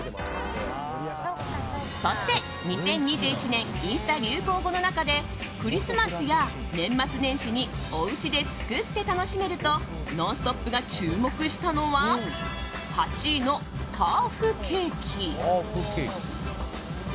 そして２０２１年インスタ流行語の中でクリスマスや年末年始におうちで作って楽しめると「ノンストップ！」が注目したのは８位のハーフケーキ。